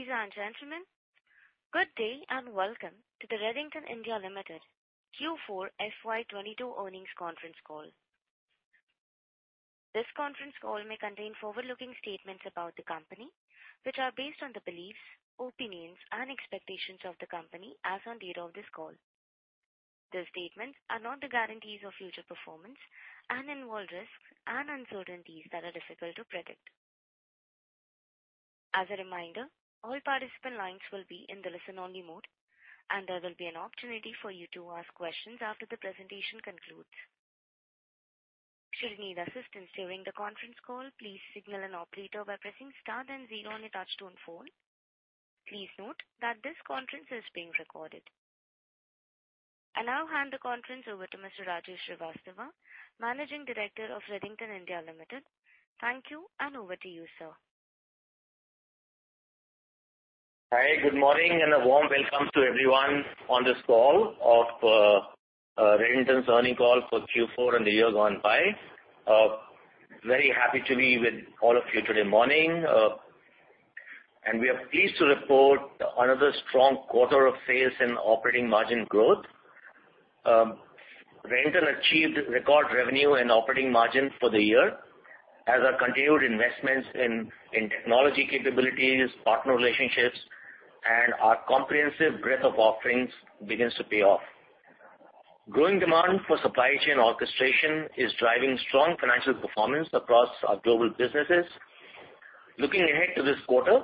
Ladies and gentlemen, good day and welcome to the Redington India Limited Q4 FY22 earnings conference call. This conference call may contain forward-looking statements about the company, which are based on the beliefs, opinions and expectations of the company as on date of this call. These statements are not the guarantees of future performance and involve risks and uncertainties that are difficult to predict. As a reminder, all participant lines will be in the listen-only mode, and there will be an opportunity for you to ask questions after the presentation concludes. Should you need assistance during the conference call, please signal an operator by pressing star then zero on your touchtone phone. Please note that this conference is being recorded. I now hand the conference over to Mr. Rajiv Srivastava, Managing Director of Redington India Limited. Thank you and over to you, sir. Hi, good morning and a warm welcome to everyone on this call of Redington's earnings call for Q4 and the year gone by. Very happy to be with all of you today morning. We are pleased to report another strong quarter of sales and operating margin growth. Redington achieved record revenue and operating margin for the year as our continued investments in technology capabilities, partner relationships, and our comprehensive breadth of offerings begins to pay off. Growing demand for supply chain orchestration is driving strong financial performance across our global businesses. Looking ahead to this quarter,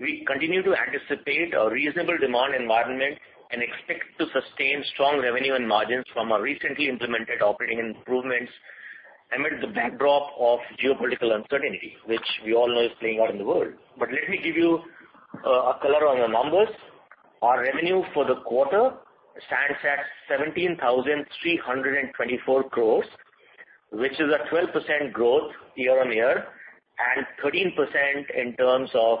we continue to anticipate a reasonable demand environment and expect to sustain strong revenue and margins from our recently implemented operating improvements amid the backdrop of geopolitical uncertainty, which we all know is playing out in the world. Let me give you a color on the numbers. Our revenue for the quarter stands at 17,324 crores, which is a 12% growth year-on-year and 13% in terms of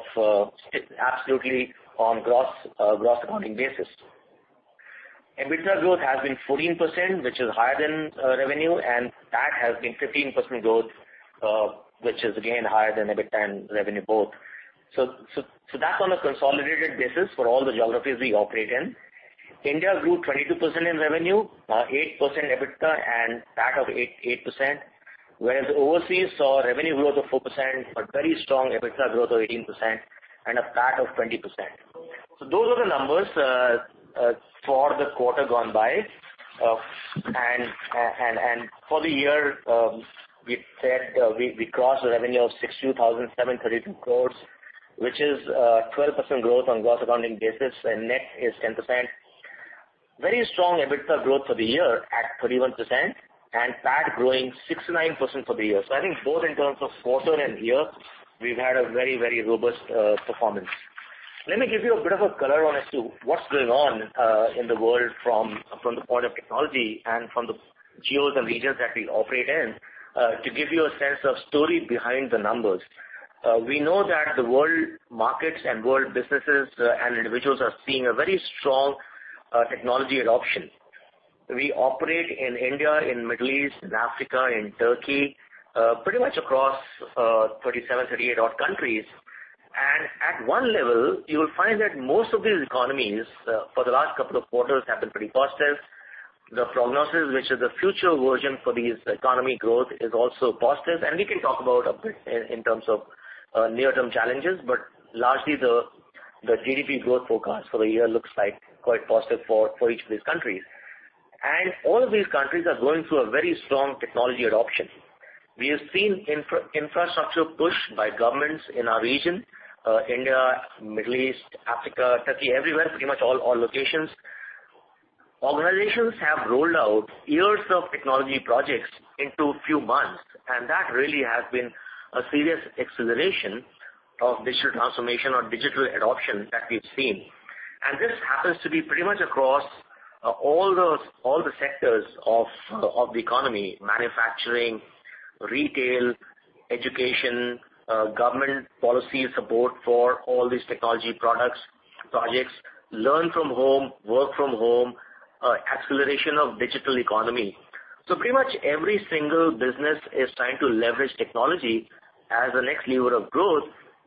absolutely on gross accounting basis. EBITDA growth has been 14%, which is higher than revenue, and PAT has been 15% growth, which is again higher than EBITDA and revenue both. That's on a consolidated basis for all the geographies we operate in. India grew 22% in revenue, 8% EBITDA and PAT of 8%. Whereas overseas saw revenue growth of 4%, a very strong EBITDA growth of 18% and a PAT of 20%. Those are the numbers for the quarter gone by. For the year, we said we crossed the revenue of 62,732 crores, which is 12% growth on gross accounting basis, and net is 10%. Very strong EBITDA growth for the year at 31% and PAT growing 69% for the year. I think both in terms of quarter and year, we've had a very, very robust performance. Let me give you a bit of a color on as to what's going on in the world from the point of technology and from the geos and regions that we operate in to give you a sense of story behind the numbers. We know that the world markets and world businesses and individuals are seeing a very strong technology adoption. We operate in India, in the Middle East, in Africa, in Turkey, pretty much across 37, 38 odd countries. At one level, you will find that most of these economies, for the last couple of quarters have been pretty positive. The prognosis, which is the future vision for these economic growth, is also positive. We can talk about a bit in terms of near-term challenges, but largely the GDP growth forecast for the year looks like quite positive for each of these countries. All of these countries are going through a very strong technology adoption. We have seen infrastructure push by governments in our region, India, Middle East, Africa, Turkey, everywhere, pretty much all locations. Organizations have rolled out years of technology projects into few months, and that really has been a serious acceleration of digital transformation or digital adoption that we've seen. This happens to be pretty much across all the sectors of the economy, manufacturing, retail, education, government policy support for all these technology products, projects, learn from home, work from home, acceleration of digital economy. Pretty much every single business is trying to leverage technology as the next lever of growth,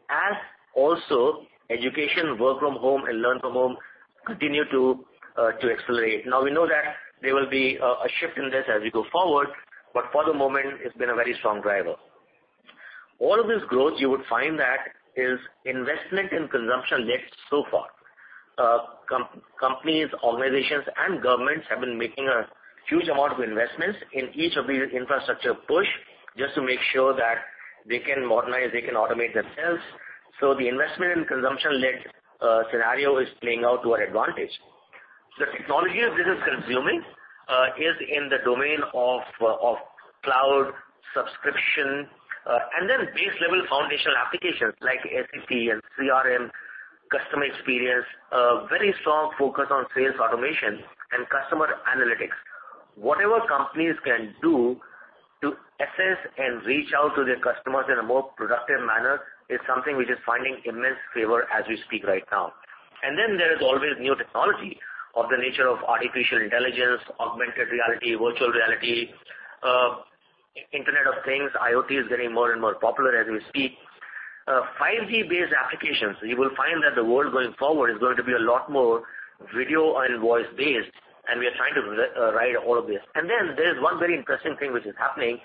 and also education, work from home and learn from home continue to accelerate. Now, we know that there will be a shift in this as we go forward, but for the moment it's been a very strong driver. All of this growth you would find that is investment and consumption led so far. Companies, organizations, and governments have been making a huge amount of investments in each of these infrastructure push just to make sure that they can modernize, they can automate themselves. The investment and consumption-led scenario is playing out to our advantage. The technology that this is consuming is in the domain of cloud subscription and then base level foundational applications like ERP and CRM, customer experience, a very strong focus on sales automation and customer analytics. Whatever companies can do to access and reach out to their customers in a more productive manner is something which is finding immense favor as we speak right now. There is always new technology of the nature of artificial intelligence, augmented reality, virtual reality, Internet of Things. IoT is getting more and more popular as we speak. 5G-based applications, you will find that the world going forward is going to be a lot more video and voice-based, and we are trying to ride all of this. Then there's one very interesting thing which is happening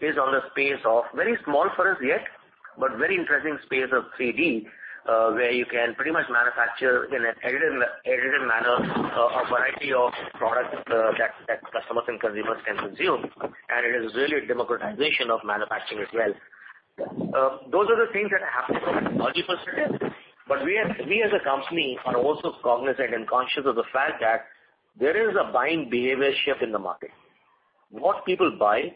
in the space of very small for us yet, but very interesting space of 3D, where you can pretty much manufacture in an additive manner a variety of products that customers and consumers can consume. It is really a democratization of manufacturing as well. Those are the things that are happening from a technology perspective. We as a company are also cognizant and conscious of the fact that there is a buying behavior shift in the market. What people buy,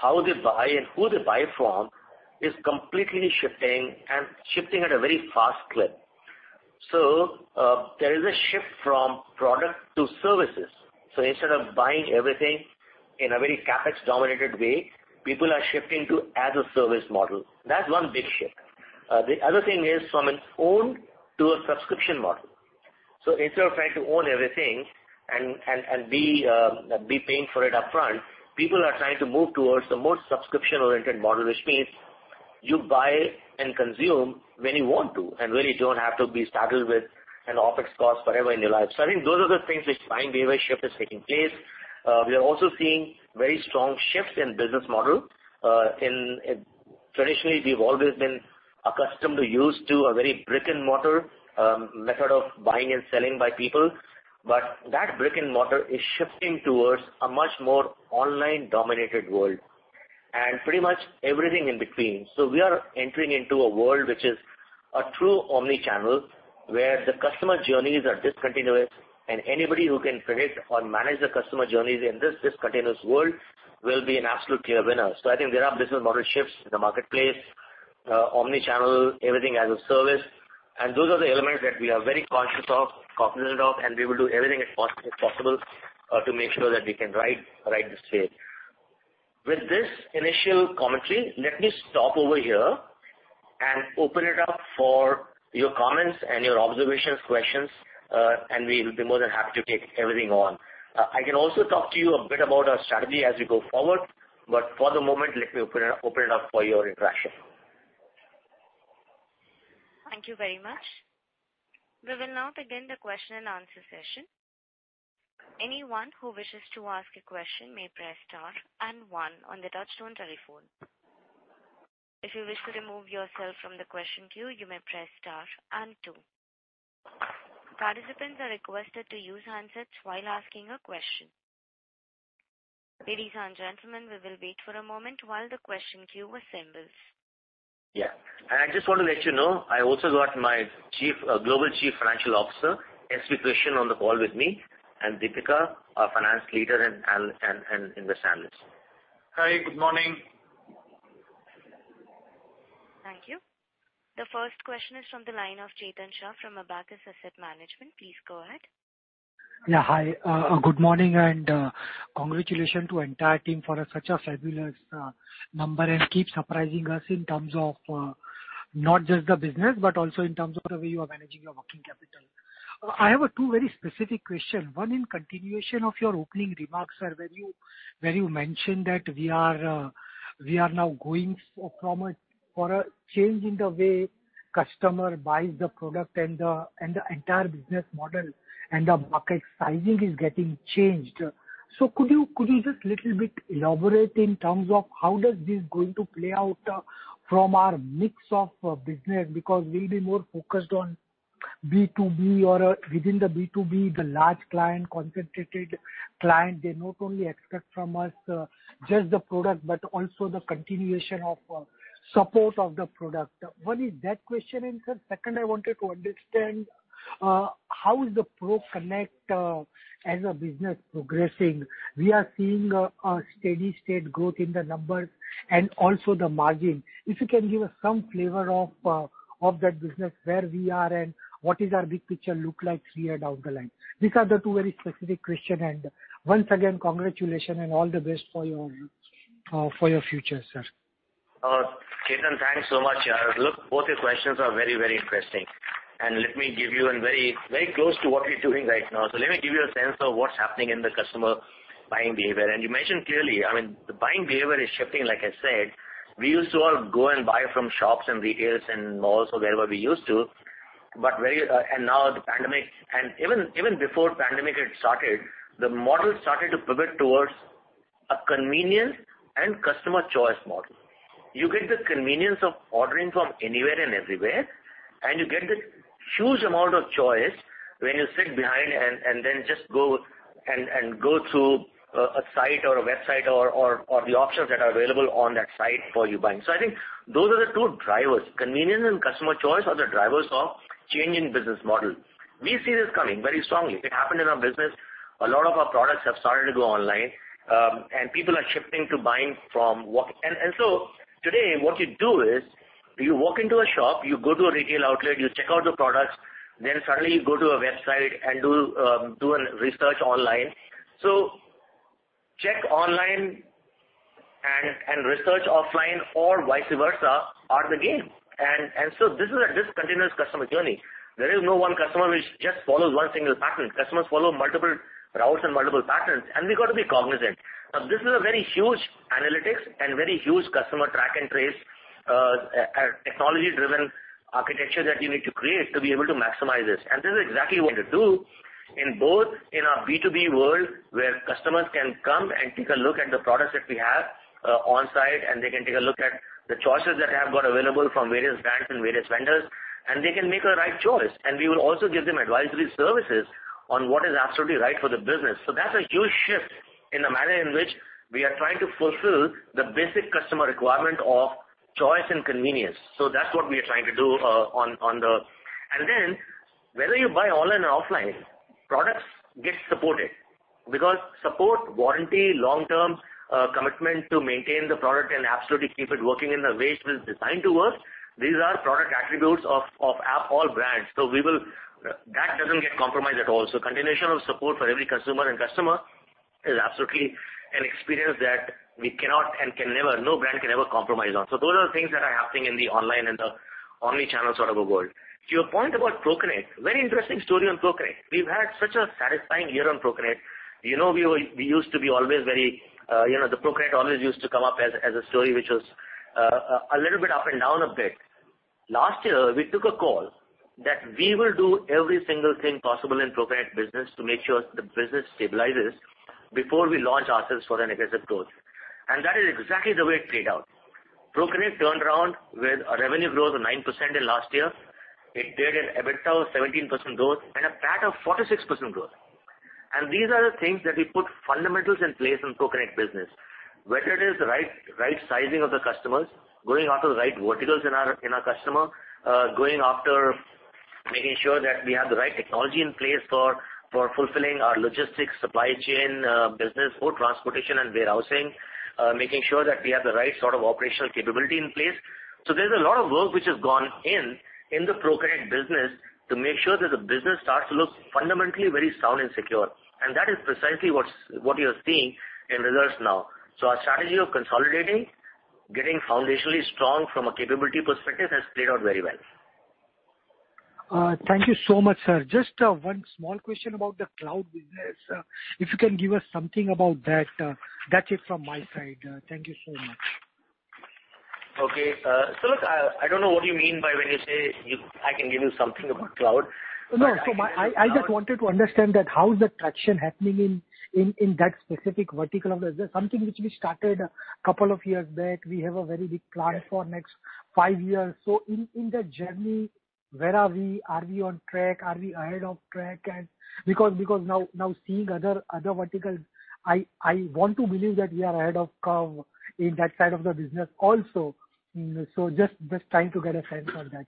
how they buy and who they buy from is completely shifting at a very fast clip. There is a shift from product to services. Instead of buying everything in a very CapEx-dominated way, people are shifting to as a service model. That's one big shift. The other thing is from an own to a subscription model. Instead of trying to own everything and be paying for it upfront, people are trying to move towards the more subscription-oriented model. Which means you buy and consume when you want to, and where you don't have to be saddled with an OpEx cost forever in your life. I think those are the things which buying behavior shift is taking place. We are also seeing very strong shifts in business model. Traditionally, we've always been accustomed or used to a very brick-and-mortar method of buying and selling by people. That brick-and-mortar is shifting towards a much more online-dominated world and pretty much everything in between. We are entering into a world which is a true omni-channel, where the customer journeys are discontinuous, and anybody who can predict or manage the customer journeys in this discontinuous world will be an absolute clear winner. I think there are business model shifts in the marketplace, omni-channel, everything as a service. And those are the elements that we are very conscious of, cognizant of, and we will do everything as possible to make sure that we can ride this wave. With this initial commentary, let me stop over here and open it up for your comments and your observations, questions, and we will be more than happy to take everything on. I can also talk to you a bit about our strategy as we go forward, but for the moment, let me open it up for your interaction. Thank you very much. We will now begin the question and answer session. Anyone who wishes to ask a question may press star and one on the touchtone telephone. If you wish to remove yourself from the question queue, you may press star and two. Participants are requested to use handsets while asking a question. Ladies and gentlemen, we will wait for a moment while the question queue assembles. Yeah. I just want to let you know, I also got my Global Chief Financial Officer, S.V. Krishnan, on the call with me and Deepika, our finance leader in West Asia. Hi, good morning. Thank you. The first question is from the line of Chetan Shah from Abakkus Asset Management. Please go ahead. Yeah, hi. Good morning and congratulations to the entire team for such a fabulous number and keep surprising us in terms of not just the business, but also in terms of the way you are managing your working capital. I have two very specific questions. One, in continuation of your opening remarks, sir, where you mentioned that we are now going for a change in the way the customer buys the product and the entire business model and the market sizing is getting changed. Could you just a little bit elaborate in terms of how this is going to play out from our mix of business? Because we'll be more focused on B2B or, within the B2B, the large client, concentrated client. They not only expect from us just the product, but also the continuation of support of the product. One is that question. Second, I wanted to understand how is the ProConnect as a business progressing? We are seeing a steady-state growth in the numbers and also the margin. If you can give us some flavor of that business, where we are and what is our big picture look like three years down the line. These are the two very specific question. Once again, congratulations and all the best for your future, sir. Chetan, thanks so much. Look, both your questions are very, very interesting. Let me give you a very, very close to what we're doing right now. Let me give you a sense of what's happening in the customer buying behavior. You mentioned clearly, I mean, the buying behavior is shifting, like I said. We used to all go and buy from shops and retailers and malls or wherever we used to. But very. Now the pandemic. Even before pandemic had started, the model started to pivot towards a convenience and customer choice model. You get the convenience of ordering from anywhere and everywhere, and you get the huge amount of choice when you sit behind and then just go through a site or a website or the options that are available on that site for you buying. So I think those are the two drivers. Convenience and customer choice are the drivers of change in business model. We see this coming very strongly. It happened in our business. A lot of our products have started to go online, and people are shifting to buying from what. Today what you do is, you walk into a shop, you go to a retail outlet, you check out the products, then suddenly you go to a website and do research online. Check online and research offline or vice versa are the game. This is a discontinuous customer journey. There is no one customer which just follows one single pattern. Customers follow multiple routes and multiple patterns, and we got to be cognizant. Now, this is a very huge analytics and very huge customer track and trace, a technology driven architecture that you need to create to be able to maximize this. This is exactly what to do in both in our B2B world, where customers can come and take a look at the products that we have on site, and they can take a look at the choices that I have got available from various banks and various vendors, and they can make a right choice. We will also give them advisory services on what is absolutely right for the business. That's a huge shift in the manner in which we are trying to fulfill the basic customer requirement of choice and convenience. That's what we are trying to do on the. Whether you buy online or offline, products get supported because support, warranty, long-term commitment to maintain the product and absolutely keep it working in the way it was designed to work. These are product attributes of all brands. That doesn't get compromised at all. Continuation of support for every consumer and customer is absolutely an experience that we cannot and can never, no brand can ever compromise on. Those are the things that are happening in the online and the omni-channel sort of a world. To your point about ProConnect, very interesting story on ProConnect. We've had such a satisfying year on ProConnect. You know, we used to be always very, you know, the ProConnect always used to come up as a story which was, a little bit up and down a bit. Last year, we took a call that we will do every single thing possible in ProConnect business to make sure the business stabilizes before we launch ourselves for an aggressive growth. That is exactly the way it played out. ProConnect turned around with a revenue growth of 9% in last year. It did an EBITDA of 17% growth and a PAT of 46% growth. These are the things that we put fundamentals in place in ProConnect business. Whether it is the right sizing of the customers, going after the right verticals in our customer, going after making sure that we have the right technology in place for fulfilling our logistics, supply chain business for transportation and warehousing, making sure that we have the right sort of operational capability in place. There's a lot of work which has gone in the ProConnect business to make sure that the business starts to look fundamentally very sound and secure. That is precisely what you're seeing in results now. Our strategy of consolidating, getting foundationally strong from a capability perspective has played out very well. Thank you so much, sir. Just one small question about the cloud business. If you can give us something about that's it from my side. Thank you so much. Okay. Look, I don't know what you mean by when you say. I can give you something about cloud. No. I just wanted to understand that how is the traction happening in that specific vertical of the business. Something which we started a couple of years back. We have a very big plan. Yes. For next five years. In that journey, where are we? Are we on track? Are we ahead of track? Because now seeing other verticals, I want to believe that we are ahead of curve in that side of the business also. Just trying to get a sense on that.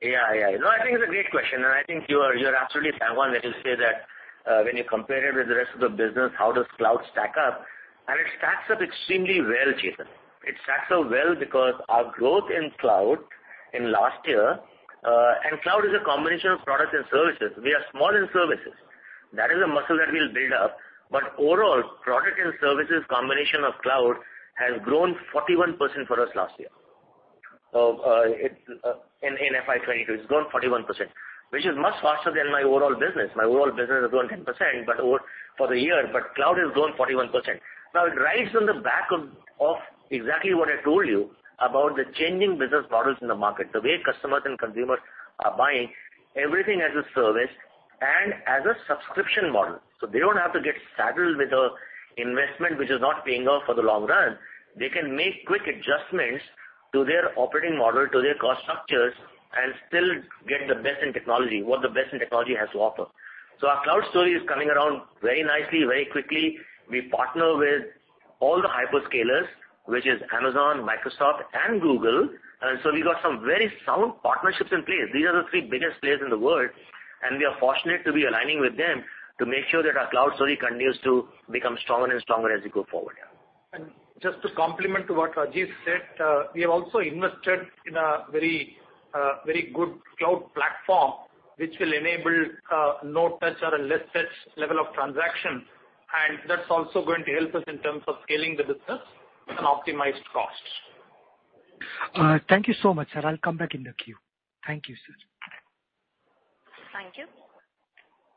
No, I think it's a great question. I think you are absolutely spot on. Let us say that, when you compare it with the rest of the business, how does cloud stack up? It stacks up extremely well, Chetan. It stacks up well because our growth in cloud in last year, and cloud is a combination of products and services. We are small in services. That is a muscle that we'll build up. Overall, product and services combination of cloud has grown 41% for us last year. In FY 2022, it's grown 41%, which is much faster than my overall business. My overall business has grown 10% for the year, but cloud has grown 41%. Now, it rides on the back of exactly what I told you about the changing business models in the market, the way customers and consumers are buying everything as a service and as a subscription model. They don't have to get saddled with a investment which is not paying off for the long run. They can make quick adjustments to their operating model, to their cost structures, and still get the best in technology, what the best in technology has to offer. Our cloud story is coming around very nicely, very quickly. We partner with all the hyperscalers, which is Amazon, Microsoft, and Google. We got some very sound partnerships in place. These are the three biggest players in the world, and we are fortunate to be aligning with them to make sure that our cloud story continues to become stronger and stronger as we go forward. Just to complement what Rajiv said, we have also invested in a very, very good cloud platform which will enable no touch or a less touch level of transaction. That's also going to help us in terms of scaling the business with an optimized cost. Thank you so much, sir. I'll come back in the queue. Thank you, sir. Thank you.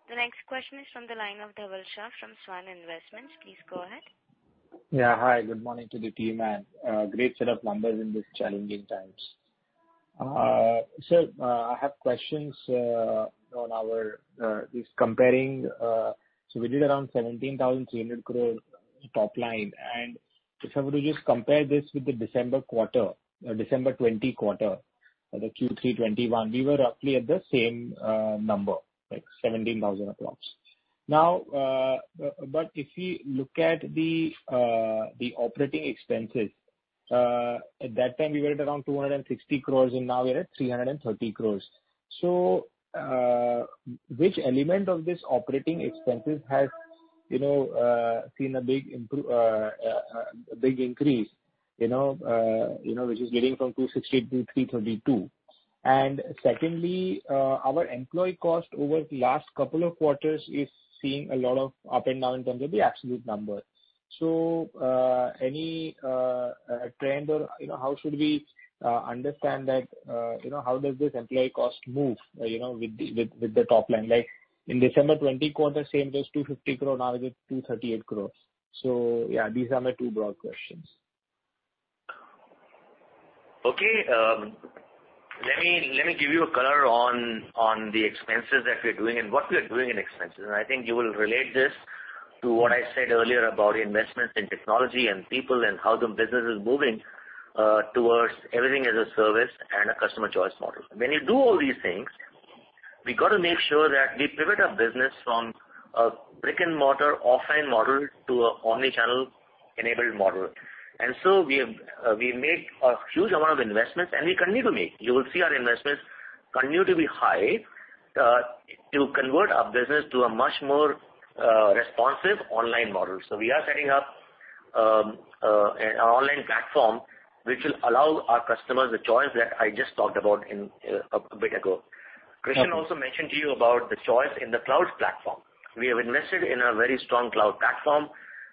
The next question is from the line of Dhaval Shah from Swan Investments. Please go ahead. Yeah. Hi. Good morning to the team and great set of numbers in these challenging times. I have questions on our comparison, so we did around 17,300 crore top line. If I were to just compare this with the December quarter, December 2020 quarter, the Q3 2021, we were roughly at the same number, like 17,000 crores. But if we look at the operating expenses, at that time we were at around 260 crore, and now we're at 330 crore. Which element of this operating expenses has you know seen a big increase, you know, which is getting from 260 crore to 332 crore? Secondly, our employee cost over the last couple of quarters is seeing a lot of up and down in terms of the absolute number. Any trend or, you know, how should we understand that, you know, how does this employee cost move, you know, with the top line? Like in December 2020 quarter, same was 250 crore, now it is 238 crores. These are my two broad questions. Okay. Let me give you a color on the expenses that we're doing and what we are doing in expenses. I think you will relate this to what I said earlier about investments in technology and people and how the business is moving towards everything as a service and a customer choice model. When you do all these things, we got to make sure that we pivot our business from a brick-and-mortar offline model to a omni-channel enabled model. We made a huge amount of investments, and we continue to make. You will see our investments continue to be high to convert our business to a much more responsive online model. We are setting up an online platform which will allow our customers a choice that I just talked about in a bit ago. Okay. Krishnan also mentioned to you about the choice in the cloud platform. We have invested in a very strong cloud platform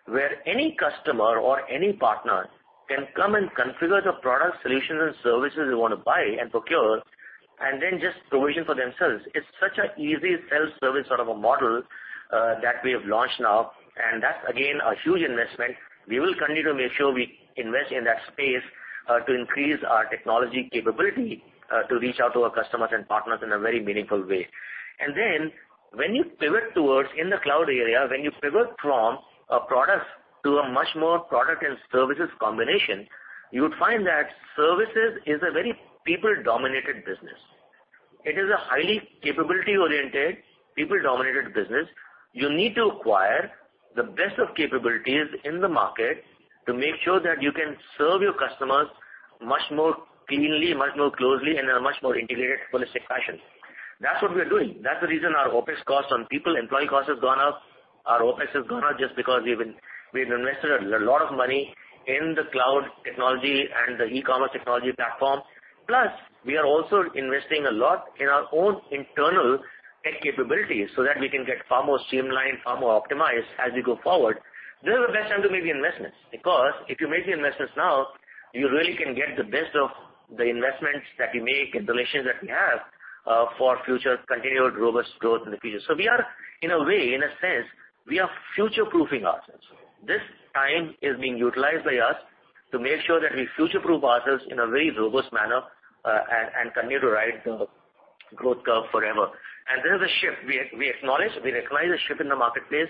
where any customer or any partner can come and configure the product solutions and services they want to buy and procure and then just provision for themselves. It's such an easy self-service sort of a model, that we have launched now, and that's again a huge investment. We will continue to make sure we invest in that space, to increase our technology capability, to reach out to our customers and partners in a very meaningful way. When you pivot towards in the cloud area, when you pivot from a product to a much more product and services combination, you would find that services is a very people-dominated business. It is a highly capability-oriented, people-dominated business. You need to acquire the best of capabilities in the market to make sure that you can serve your customers much more cleanly, much more closely, in a much more integrated holistic fashion. That's what we are doing. That's the reason our OpEx costs on people, employee costs, has gone up. Our OpEx has gone up just because we've invested a lot of money in the cloud technology and the e-commerce technology platform. Plus, we are also investing a lot in our own internal tech capabilities so that we can get far more streamlined, far more optimized as we go forward. This is the best time to make the investments because if you make the investments now, you really can get the best of the investments that you make and the relations that we have for future continued robust growth in the future. We are, in a way, in a sense, we are future-proofing ourselves. This time is being utilized by us to make sure that we future-proof ourselves in a very robust manner, and continue to ride the growth curve forever. There is a shift. We acknowledge, we recognize the shift in the marketplace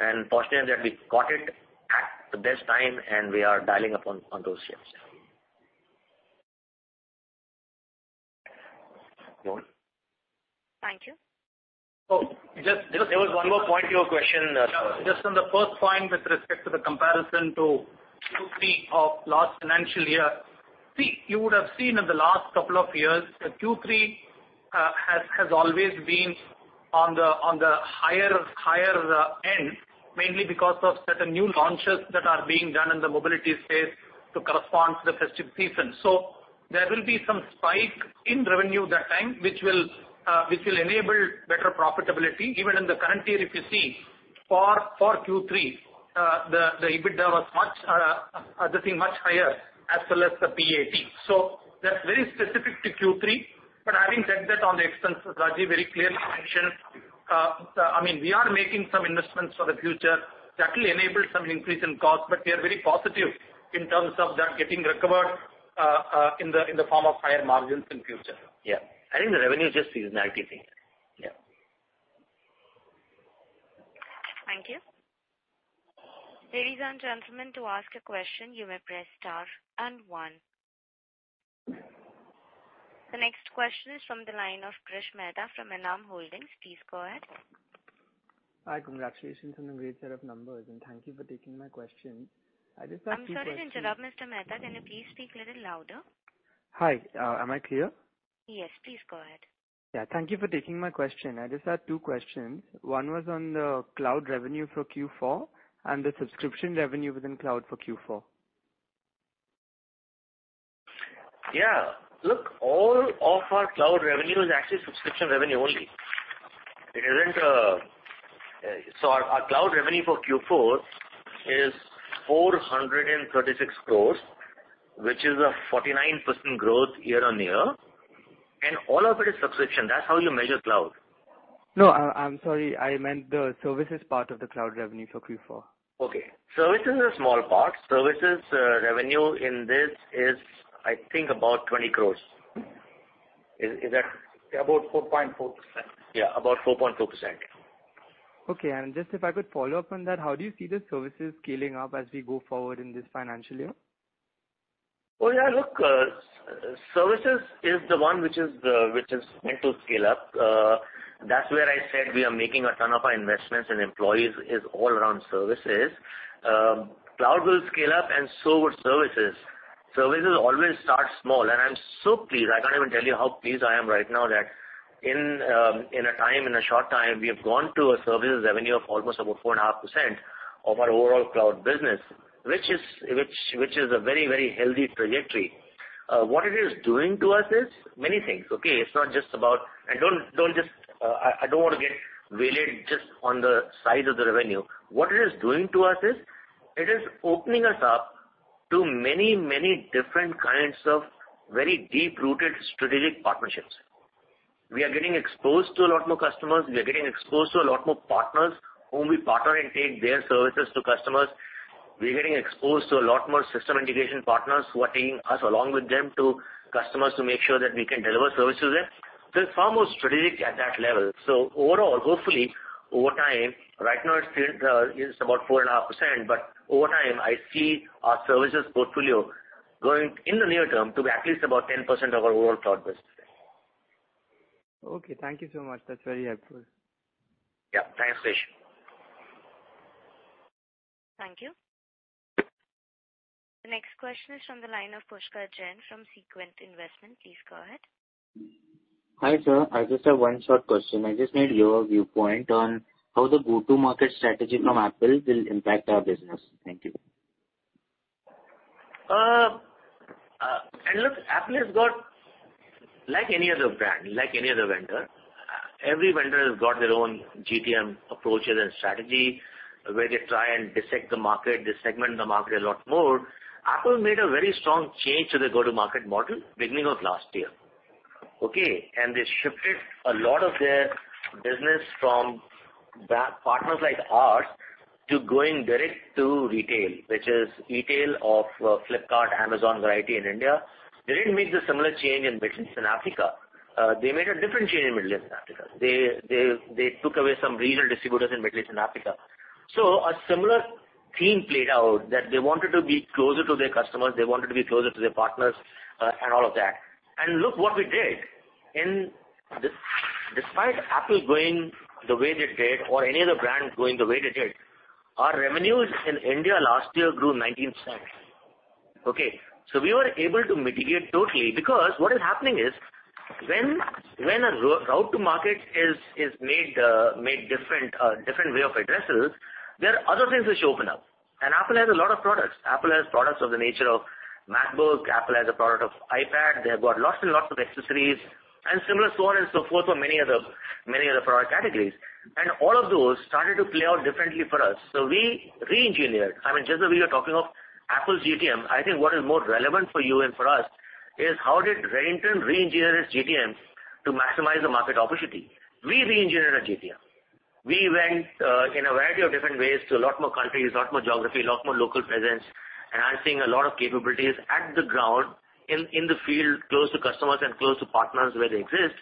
and positive that we caught it at the best time and we are dialing up on those shifts. Thank you. Oh. There was one more point to your question. Just on the first point with respect to the comparison to Q3 of last financial year. See, you would have seen in the last couple of years that Q3 has always been on the higher end, mainly because of certain new launches that are being done in the mobility space to correspond to the festive season. There will be some spike in revenue that time which will enable better profitability. Even in the current year, if you see for Q3, the EBITDA was much higher as well as the PAT. That's very specific to Q3. Having said that, on the expenses, Rajiv very clearly mentioned, I mean, we are making some investments for the future. That will enable some increase in cost, but we are very positive in terms of that getting recovered, in the form of higher margins in future. Yeah. I think the revenue is just a seasonality thing. Yeah. Thank you. Ladies and gentlemen, to ask a question, you may press star and one. The next question is from the line of Krish Mehta from Enam Holdings. Please go ahead. Hi. Congratulations on the great set of numbers, and thank you for taking my question. I just have two questions. I'm sorry, Mr. Mehta. Can you please speak a little louder? Hi. Am I clear? Yes, please go ahead. Yeah. Thank you for taking my question. I just had two questions. One was on the cloud revenue for Q4 and the subscription revenue within cloud for Q4. Yeah. Look, all of our cloud revenue is actually subscription revenue only. It isn't. Our cloud revenue for Q4 is 436 crores, which is a 49% growth year-on-year. All of it is subscription. That's how you measure cloud. No. I'm sorry. I meant the services part of the cloud revenue for Q4. Okay. Services is a small part. Services, revenue in this is, I think about 20 crores. Is that? About 4.4%. Yeah, about 4.4%. Okay. Just if I could follow up on that, how do you see the services scaling up as we go forward in this financial year? Oh, yeah. Look, services is the one which is meant to scale up. That's where I said we are making a ton of our investments and employees is all around services. Cloud will scale up and so will services. Services always start small, and I'm so pleased. I can't even tell you how pleased I am right now that in a short time, we have gone to a services revenue of almost about 4.5% of our overall cloud business, which is a very, very healthy trajectory. What it is doing to us is many things, okay? It's not just about. Don't just. I don't wanna get weighed just on the size of the revenue. What it is doing to us is, it is opening us up to many, many different kinds of very deep-rooted strategic partnerships. We are getting exposed to a lot more customers. We are getting exposed to a lot more partners whom we partner and take their services to customers. We're getting exposed to a lot more system integration partners who are taking us along with them to customers to make sure that we can deliver services there. It's far more strategic at that level. Overall, hopefully, over time. Right now it's still, it's about 4.5%, but over time, I see our services portfolio going in the near term to be at least about 10% of our overall cloud business. Okay, thank you so much. That's very helpful. Yeah. Thanks, Krish. Thank you. The next question is from the line of Pushkar Jain from Sequent Investments. Please go ahead. Hi, sir. I just have one short question. I just need your viewpoint on how the go-to-market strategy from Apple will impact our business. Thank you. Look, Apple has got like any other brand, like any other vendor, every vendor has got their own GTM approaches and strategy, where they try and dissect the market, they segment the market a lot more. Apple made a very strong change to the go-to-market model beginning of last year. Okay? They shifted a lot of their business from partners like us to going direct to retail, which is e-tail of Flipkart, Amazon variety in India. They didn't make the similar change in Middle East and Africa. They made a different change in Middle East and Africa. They took away some regional distributors in Middle East and Africa. A similar theme played out that they wanted to be closer to their customers, they wanted to be closer to their partners, and all of that. Look what we did. Despite Apple going the way they did or any other brand going the way they did, our revenues in India last year grew 19%. Okay? We were able to mitigate totally, because what is happening is when a route to market is made different, a different way of addressing, there are other things which open up. Apple has a lot of products. Apple has products of the nature of MacBook. Apple has a product of iPad. They have got lots and lots of accessories, and similar so on and so forth for many other product categories. All of those started to play out differently for us. We reengineered. I mean, just as we were talking of Apple's GTM, I think what is more relevant for you and for us is how did Redington reengineer its GTM to maximize the market opportunity? We reengineered our GTM. We went in a variety of different ways to a lot more countries, a lot more geography, a lot more local presence. Enhancing a lot of capabilities at the ground, in the field, close to customers and close to partners where they exist,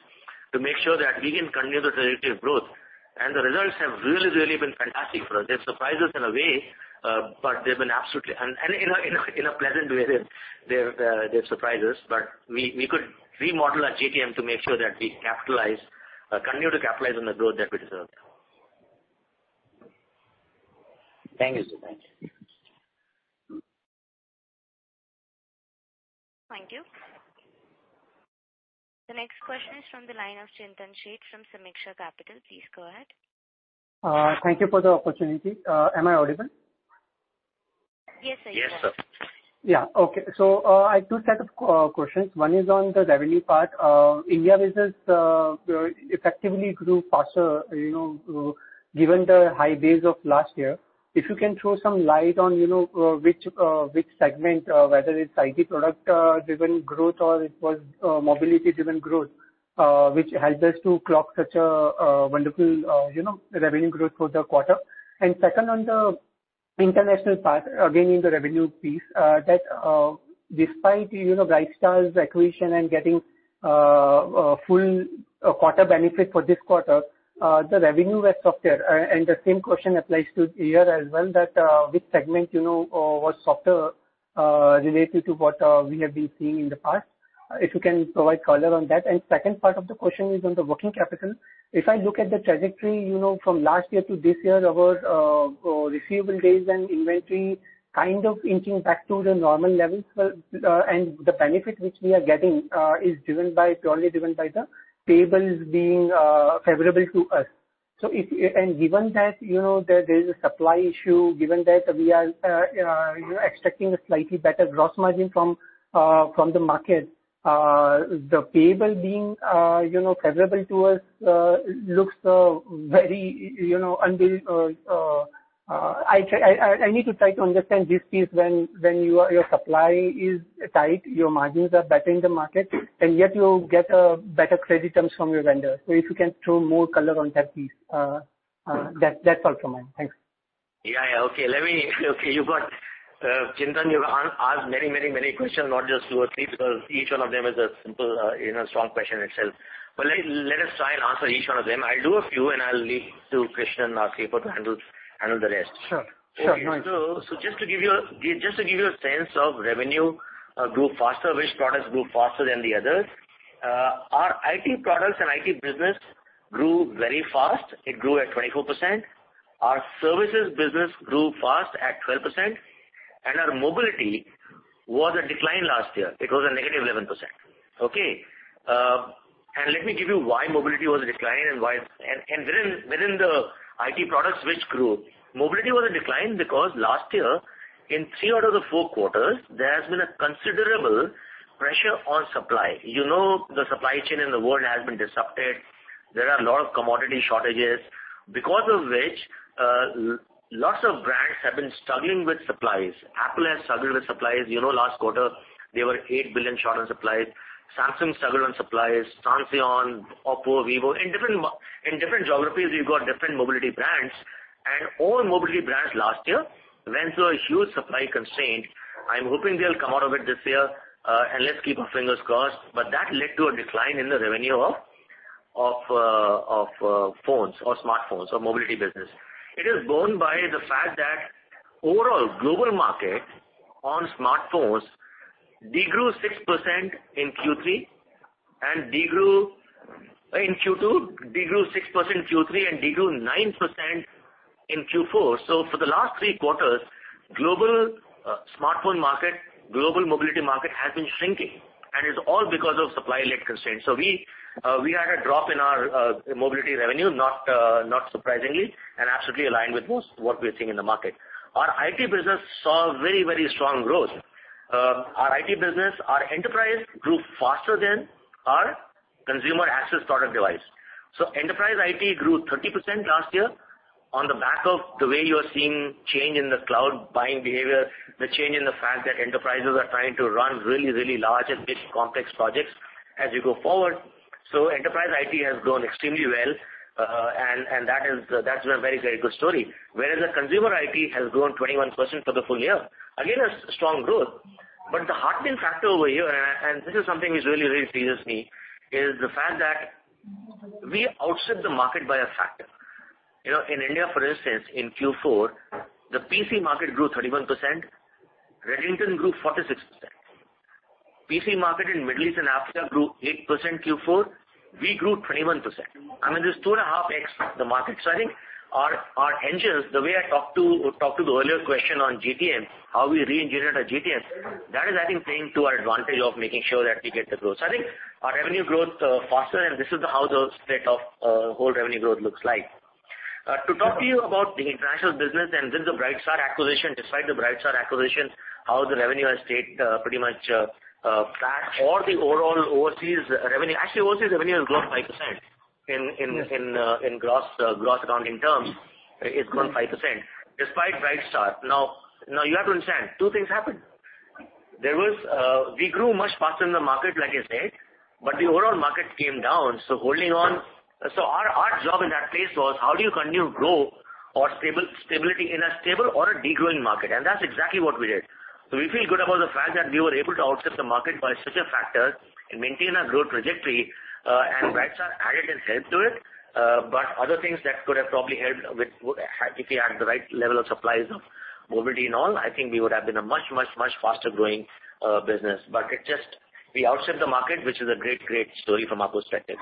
to make sure that we can continue the trajectory of growth. The results have really been fantastic for us. They've surprised us in a way, but they've been absolutely, and in a pleasant way, they've surprised us. We could remodel our GTM to make sure that we capitalize, continue to capitalize on the growth that we deserve. Thank you, Mr. Srivastava. Thank you. The next question is from the line of Chintan Sheth from Sameeksha Capital. Please go ahead. Thank you for the opportunity. Am I audible? Yes, sir. You are. Yes, sir. Yeah. Okay. I have two set of questions. One is on the revenue part. India business effectively grew faster, you know, given the high base of last year. If you can throw some light on, you know, which segment, whether it's IT product driven growth or it was mobility-driven growth, which helped us to clock such a wonderful, you know, revenue growth for the quarter. Second, on the international part, again, in the revenue piece, that despite, you know, Brightstar's acquisition and getting full quarter benefit for this quarter, the revenue was softer. And the same question applies to here as well, that which segment, you know, was softer, related to what we have been seeing in the past. If you can provide color on that. Second part of the question is on the working capital. If I look at the trajectory, you know, from last year to this year, our receivable days and inventory kind of inching back to the normal levels. The benefit which we are getting is driven by, purely driven by the payables being favorable to us. Given that, you know, there is a supply issue, given that you're expecting a slightly better gross margin from the market, the payable being, you know, favorable to us looks very, you know, unbelievable. I need to try to understand this piece when your supply is tight, your margins are better in the market, and yet you get a better credit terms from your vendor. If you can throw more color on that piece, that's all from me. Thanks. Yeah, yeah. Okay. You've got, Chintan, you've asked many questions, not just two or three, because each one of them is a simple, you know, strong question itself. Let us try and answer each one of them. I'll do a few, and I'll leave to Krishnan, our CFO, to handle the rest. Sure. Sure. Just to give you a sense of revenue grew faster, which products grew faster than the others. Our IT products and IT business grew very fast. It grew at 24%. Our services business grew fast at 12%. Our mobility was a decline last year. It was a -11%. Okay? Let me give you why mobility was a decline and why and within the IT products which grew, mobility was a decline because last year, in three out of the four quarters, there has been a considerable pressure on supply. You know, the supply chain in the world has been disrupted. There are a lot of commodity shortages because of which, lots of brands have been struggling with supplies. Apple has struggled with supplies. You know, last quarter they were $8 billion short on supplies. Samsung struggled on supplies. Transsion, OPPO, Vivo. In different geographies, you've got different mobility brands, and all mobility brands last year went through a huge supply constraint. I'm hoping they'll come out of it this year, and let's keep our fingers crossed. That led to a decline in the revenue of phones or smartphones or mobility business. It is borne by the fact that overall global market on smartphones degrew 6% in Q2, 6% in Q3, and 9% in Q4. For the last three quarters, global smartphone market, global mobility market has been shrinking, and it's all because of supply-led constraints. We had a drop in our mobility revenue, not surprisingly, and absolutely aligned with most of what we are seeing in the market. Our IT business saw very, very strong growth. Our IT business, our enterprise grew faster than our consumer accessories product device. Enterprise IT grew 30% last year on the back of the way you are seeing change in the cloud buying behavior, the change in the fact that enterprises are trying to run really, really large and big complex projects as you go forward. Enterprise IT has grown extremely well, and that's been a very, very good story. Whereas the consumer IT has grown 21% for the full year. Again, a strong growth. The heartening factor over here. This is something which really, really pleases me, is the fact that we outshipped the market by a factor. You know, in India, for instance, in Q4, the PC market grew 31%. Redington grew 46%. PC market in Middle East and Africa grew 8% Q4. We grew 21%. I mean, this is 2.5x the market. I think our engines, the way I talked to the earlier question on GTM, how we re-engineered our GTM, that is I think playing to our advantage of making sure that we get the growth. I think our revenue growth faster, and this is how the split of whole revenue growth looks like. To talk to you about the international business and, since the Brightstar acquisition, despite the Brightstar acquisition, how the revenue has stayed pretty much flat or the overall overseas revenue. Actually, overseas revenue has grown 5% in gross accounting terms. It's grown 5% despite Brightstar. You have to understand, two things happened. We grew much faster than the market, like I said, but the overall market came down, so holding on. Our job in that phase was how do you continue growth or stability in a stable or a degrowing market. That's exactly what we did. We feel good about the fact that we were able to outstrip the market by such a factor and maintain our growth trajectory, and Brightstar added and helped to it. Other things that could have probably helped with if we had the right level of supplies of mobility and all, I think we would have been a much faster growing business. It just, we outshipped the market, which is a great story from our perspective.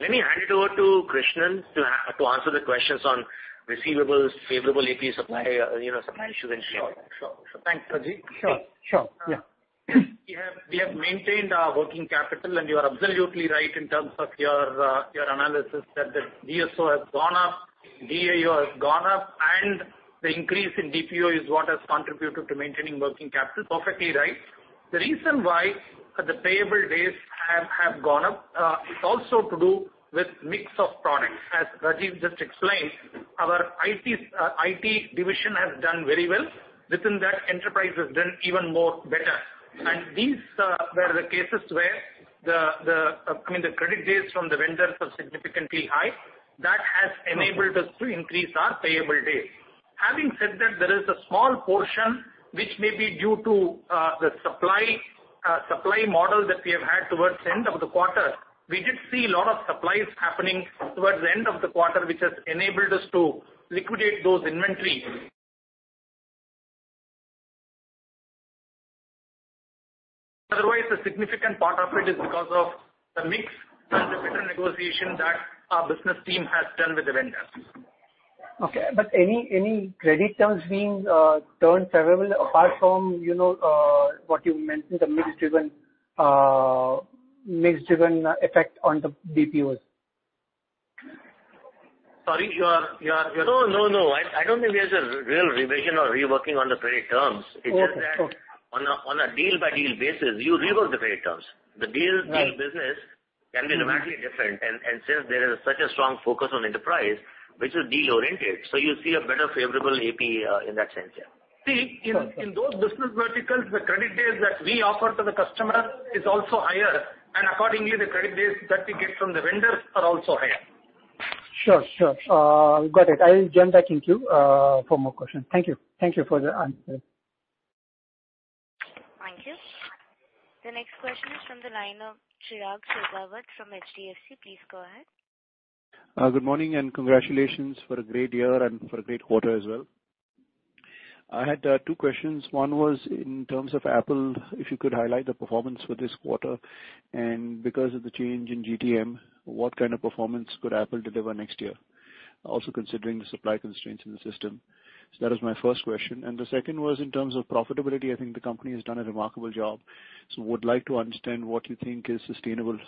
Let me hand it over to Krishnan to answer the questions on receivables, favorable AP supply, you know, supply issues and so on. Sure. Thanks, Rajiv. Yeah. We have maintained our working capital, and you are absolutely right in terms of your analysis that the DSO has gone up, DIO has gone up, and the increase in DPO is what has contributed to maintaining working capital. Perfectly right. The reason why the payable days have gone up, it's also to do with mix of products. As Rajiv just explained, our IT division has done very well. Within that, enterprise has done even more better. These were the cases where I mean, the credit days from the vendors are significantly high. That has enabled us to increase our payable days. Having said that, there is a small portion which may be due to the supply model that we have had towards the end of the quarter. We did see a lot of supplies happening towards the end of the quarter, which has enabled us to liquidate those inventory. Otherwise, a significant part of it is because of the mix and the better negotiation that our business team has done with the vendors. Okay, any credit terms being turned favorable apart from, you know, what you mentioned, the mix-driven effect on the DPOs? Sorry, you are. No. I don't think there's a real revision or reworking on the credit terms. Okay. Cool. It's just that on a deal by deal basis, you rework the credit terms. The deal- Right. Deal business can be dramatically different. Since there is such a strong focus on enterprise, which is deal-oriented, so you see a better favorable AP, in that sense, yeah. See, in those business verticals, the credit days that we offer to the customer is also higher, and accordingly, the credit days that we get from the vendors are also higher. Sure. Got it. I'll join back in queue for more questions. Thank you for the answer. Thank you. The next question is from the line of Chirag Setalvad from HDFC. Please go ahead. Good morning, congratulations for a great year and for a great quarter as well. I had two questions. One was in terms of Apple, if you could highlight the performance for this quarter, and because of the change in GTM, what kind of performance could Apple deliver next year? Also considering the supply constraints in the system. That was my first question. The second was in terms of profitability. I think the company has done a remarkable job. Would like to understand what you think is sustainable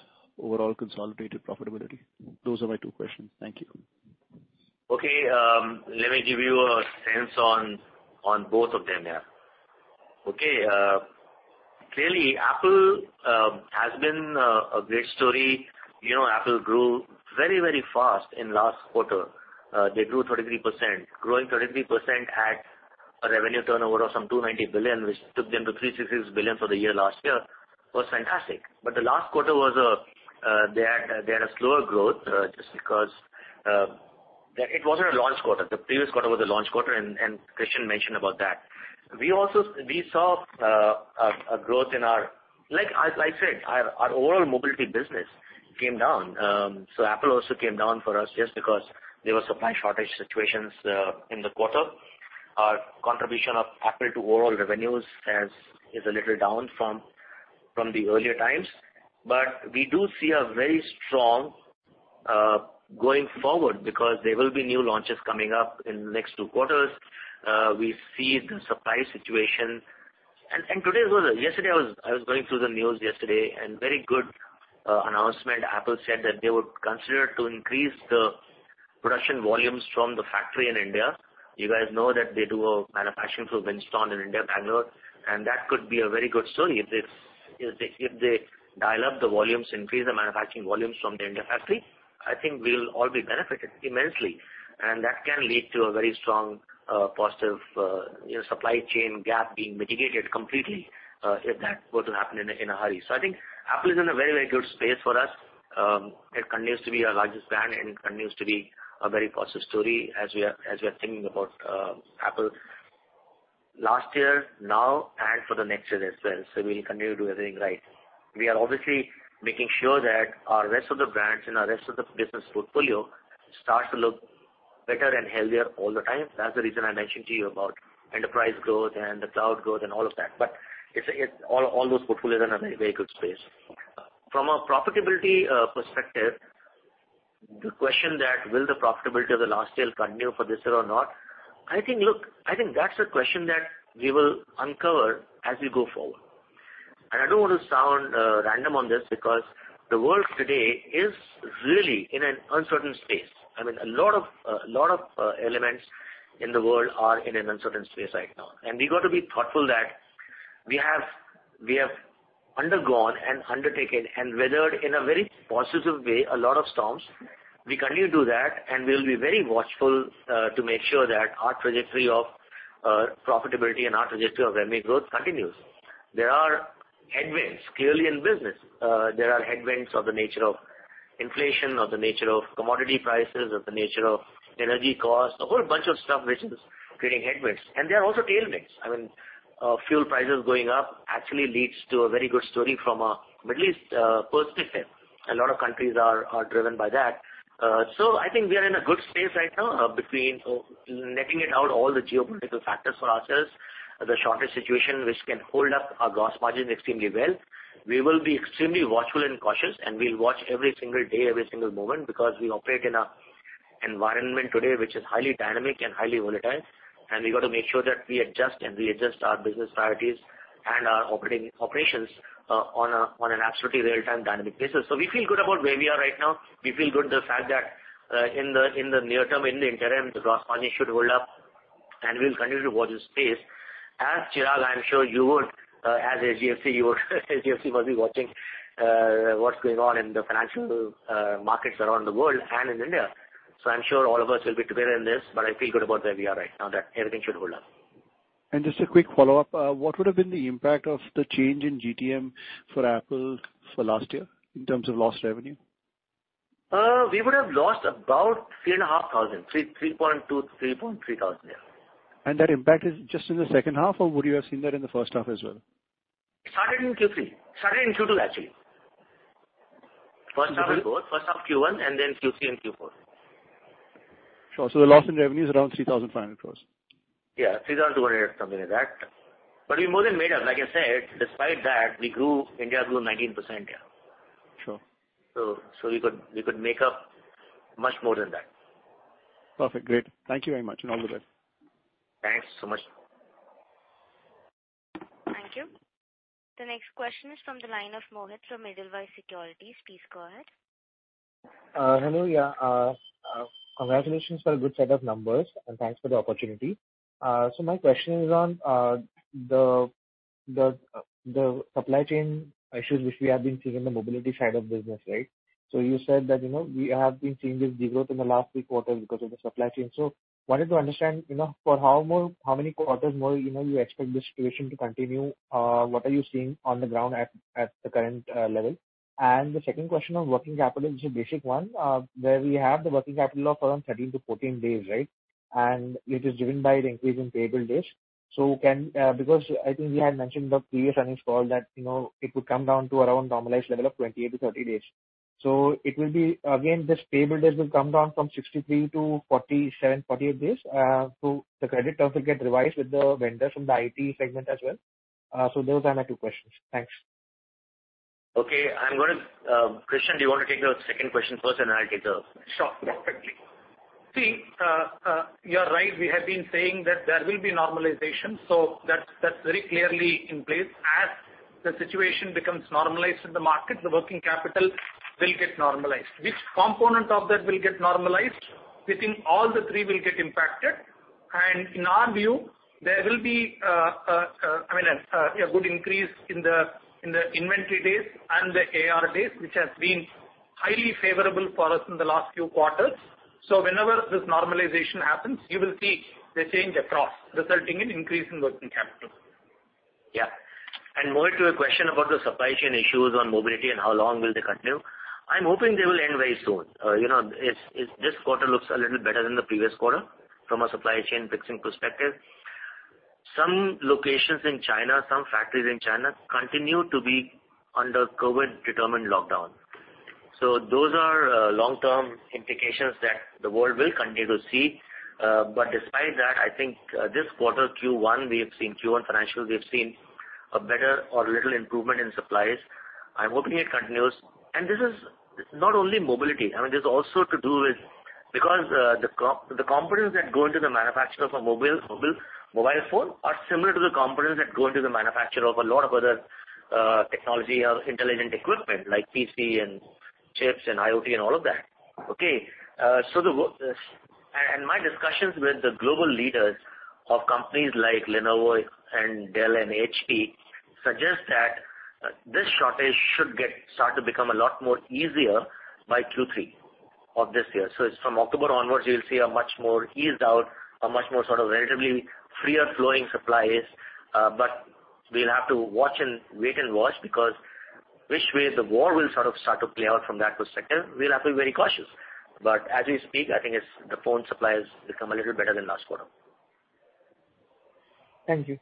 overall consolidated profitability. Those are my two questions. Thank you. Okay. Let me give you a sense on both of them, yeah. Okay. Clearly Apple has been a great story. You know, Apple grew very, very fast in last quarter. They grew 33%. Growing 33% at a revenue turnover of some $290 billion, which took them to $366 billion for the year last year, was fantastic. The last quarter was, they had a slower growth just because it wasn't a launch quarter. The previous quarter was the launch quarter and S.V. Krishnan mentioned about that. We also, like as I said, our overall mobility business came down. So Apple also came down for us just because there were supply shortage situations in the quarter. Our contribution of Apple to overall revenues is a little down from the earlier times. We do see a very strong going forward because there will be new launches coming up in next two quarters. We see the supply situation. Today as well, yesterday I was going through the news yesterday and very good announcement. Apple said that they would consider to increase the production volumes from the factory in India. You guys know that they do a manufacturing through Wistron in India, Bangalore, and that could be a very good story. If they dial up the volumes, increase the manufacturing volumes from the India factory, I think we'll all be benefited immensely, and that can lead to a very strong positive, you know, supply chain gap being mitigated completely, if that were to happen in a hurry. I think Apple is in a very, very good space for us. It continues to be our largest brand and it continues to be a very positive story as we are thinking about Apple last year, now and for the next year as well. We'll continue to everything right. We are obviously making sure that our rest of the brands and our rest of the business portfolio starts to look better and healthier all the time. That's the reason I mentioned to you about enterprise growth and the cloud growth and all of that. All those portfolio are in a very good space. From a profitability perspective, the question that will the profitability of the last year continue for this year or not? I think that's a question that we will uncover as we go forward. I don't want to sound random on this because the world today is really in an uncertain space. I mean, a lot of elements in the world are in an uncertain space right now. We got to be thoughtful that we have undergone and undertaken and weathered in a very positive way a lot of storms. We continue to do that, and we'll be very watchful to make sure that our trajectory of profitability and our trajectory of revenue growth continues. There are headwinds clearly in business. There are headwinds of the nature of inflation, of the nature of commodity prices, of the nature of energy costs, a whole bunch of stuff which is creating headwinds. There are also tailwinds. I mean, fuel prices going up actually leads to a very good story from a Middle East perspective. A lot of countries are driven by that. So I think we are in a good space right now, between netting it out all the geopolitical factors for ourselves, the shortage situation which can hold up our gross margins extremely well. We will be extremely watchful and cautious, and we'll watch every single day, every single moment, because we operate in a environment today which is highly dynamic and highly volatile, and we got to make sure that we adjust our business priorities and our operating operations on an absolutely real-time dynamic basis. We feel good about where we are right now. We feel good the fact that in the near term, in the interim, the gross margin should hold up and we'll continue to watch this space. Chirag, I'm sure you would, as HDFC must be watching what's going on in the financial markets around the world and in India. I'm sure all of us will be together in this, but I feel good about where we are right now, that everything should hold up. Just a quick follow-up. What would have been the impact of the change in GTM for Apple for last year in terms of lost revenue? We would have lost about 3.5 thousand. 3, 3.2, 3.3 thousand, yeah. That impact is just in the H2, or would you have seen that in the H1 as well? It started in Q3. Started in Q2, actually. Okay. H1 Q4, H1 Q1, and then Q3 and Q4. The loss in revenue is around 3,500 crores. Yeah. 3,200, something like that. We more than made up. Like I said, despite that, we grew. India grew 19%. Yeah. Sure. We could make up much more than that. Perfect. Great. Thank you very much, and all the best. Thanks so much. Thank you. The next question is from the line of Mohit from Edelweiss Securities. Please go ahead. Hello. Congratulations for a good set of numbers, and thanks for the opportunity. My question is on the supply chain issues which we have been seeing in the mobility side of business, right? You said that, you know, we have been seeing this de-growth in the last three quarters because of the supply chain. Wanted to understand, you know, for how more, how many quarters more, you know, you expect this situation to continue? What are you seeing on the ground at the current level? The second question on working capital is a basic one, where we have the working capital of around 13-14 days, right? It is driven by the increase in payable days because I think we had mentioned the previous earnings call that, you know, it would come down to around normalized level of 28-30 days. It will be, again, this payable days will come down from 63 to 47-48 days, so the credit terms will get revised with the vendors from the IT segment as well. Those are my two questions. Thanks. Okay. I'm gonna, Krishnan, do you wanna take the second question first and I'll take the first? Sure. Definitely. See, you are right. We have been saying that there will be normalization, so that's very clearly in place. As the situation becomes normalized in the market, the working capital will get normalized. Which component of that will get normalized? We think all the three will get impacted. In our view, there will be, I mean, a good increase in the inventory days and the AR days, which has been highly favorable for us in the last few quarters. Whenever this normalization happens, you will see the change across, resulting in increase in working capital. Yeah. Mohit, your question about the supply chain issues on mobility and how long will they continue. I'm hoping they will end very soon. You know, it's this quarter looks a little better than the previous quarter from a supply chain fixing perspective. Some locations in China, some factories in China continue to be under COVID-determined lockdown. Those are long-term implications that the world will continue to see. Despite that, I think this quarter, Q1, we have seen Q1 financials, we have seen a better or little improvement in supplies. I'm hoping it continues. This is not only mobility. I mean, this is also to do with. Because the components that go into the manufacture of a mobile phone are similar to the components that go into the manufacture of a lot of other technology or intelligent equipment like PC and chips and IoT and all of that. My discussions with the global leaders of companies like Lenovo and Dell and HP suggest that this shortage should get start to become a lot more easier by Q3 of this year. From October onwards, you'll see a much more eased out, a much more sort of relatively freer flowing supplies. We'll have to watch and wait and watch because which way the war will sort of start to play out from that perspective, we'll have to be very cautious. As we speak, I think it's the phone suppliers become a little better than last quarter. Thank you.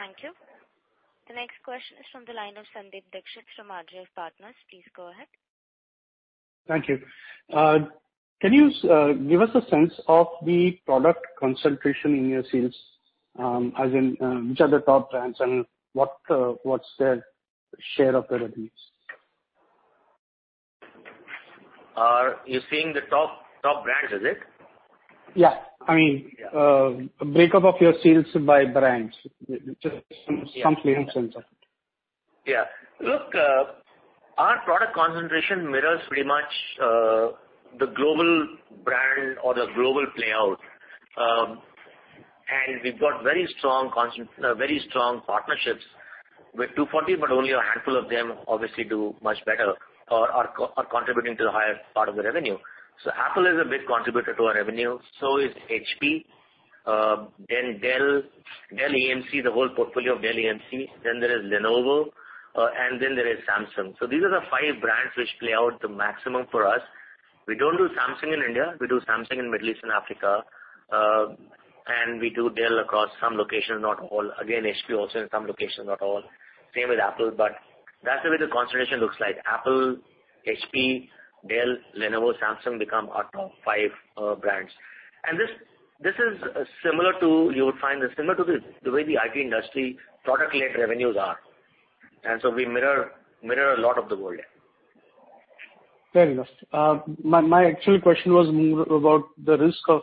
Yeah. Thank you. The next question is from the line of Sandeep Dixit from Ārjav Partners. Please go ahead. Thank you. Can you give us a sense of the product concentration in your sales, as in, which are the top brands and what's their share of the revenues? You're saying the top brands, is it? Yeah. I mean. Yeah. Breakup of your sales by brands. Just some clear sense of it. Yeah. Look, our product concentration mirrors pretty much the global brand or the global play out. We've got very strong partnerships with 240, but only a handful of them obviously do much better or are contributing to the higher part of the revenue. Apple is a big contributor to our revenue, so is HP, then Dell EMC, the whole portfolio of Dell EMC, then there is Lenovo, and then there is Samsung. These are the five brands which play out the maximum for us. We don't do Samsung in India. We do Samsung in Middle East and Africa. We do Dell across some locations, not all. HP also in some locations, not all. Same with Apple. That's the way the concentration looks like. Apple, HP, Dell, Lenovo, Samsung become our top five brands. You would find this similar to the way the IT industry product-led revenues are. We mirror a lot of the world here. Fair enough. My actual question was more about the risk of,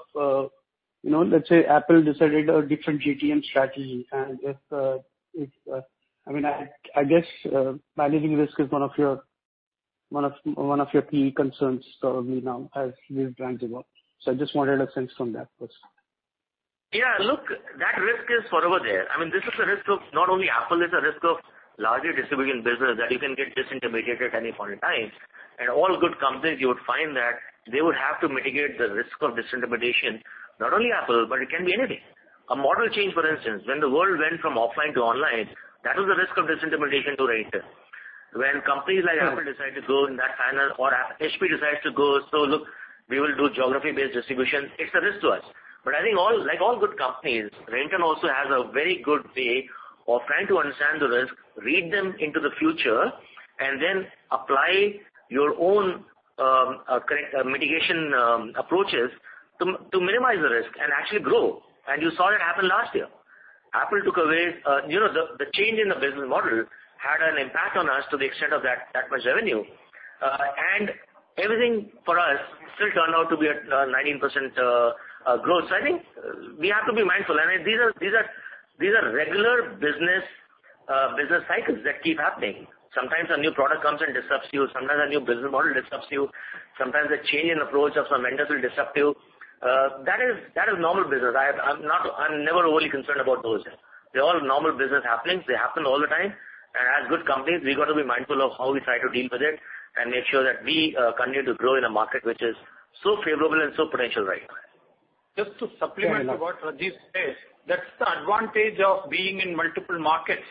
you know, let's say, Apple decided a different GTM strategy. I mean, I guess, managing risk is one of your key concerns probably now as these brands evolve. I just wanted a sense from that first. Yeah, look, that risk is forever there. I mean, this is a risk of not only Apple, it's a risk of larger distribution business that you can get disintermediated at any point in time. All good companies, you would find that they would have to mitigate the risk of disintermediation, not only Apple, but it can be anything. A model change, for instance. When the world went from offline to online, that was a risk of disintermediation to Redington. When companies like Apple decide to go in that channel or HP decides to go, "So look, we will do geography-based distribution," it's a risk to us. I think all, like all good companies, Redington also has a very good way of trying to understand the risk, read them into the future, and then apply your own, correct mitigation, approaches to minimize the risk and actually grow. You saw that happen last year. Apple took away, you know, the change in the business model had an impact on us to the extent of that much revenue. Everything for us still turned out to be at 19% growth. I think we have to be mindful. These are regular business cycles that keep happening. Sometimes a new product comes and disrupts you. Sometimes a new business model disrupts you. Sometimes a change in approach of some vendors will disrupt you. That is normal business. I'm never overly concerned about those. They're all normal business happenings. They happen all the time. As good companies, we've got to be mindful of how we try to deal with it and make sure that we continue to grow in a market which is so favorable and so potential right now. Just to supplement to what Rajiv says, that's the advantage of being in multiple markets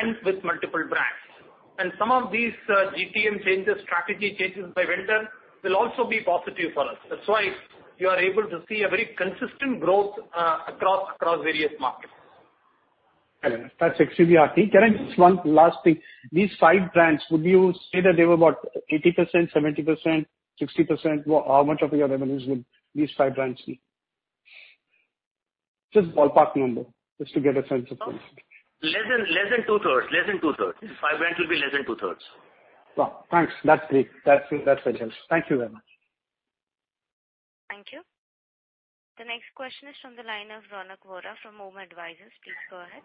and with multiple brands. Some of these GTM changes, strategy changes by vendor will also be positive for us. That's why you are able to see a very consistent growth across various markets. Fair enough. That's actually the RT. Can I ask one last thing? These five brands, would you say that they were about 80%, 70%, 60%? How much of your revenues would these five brands be? Just ballpark number, just to get a sense of? Less than 2/3. Five brands will be less than 2/3. Wow. Thanks. That's great. That's very helpful. Thank you very much. The next question is from the line of Ronald Vora from OM Advisors. Please go ahead.